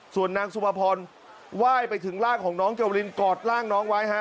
ส่วนนางสุภพรไหว้ไปถึงร่างของน้องเจวรินกอดร่างน้องไว้ฮะ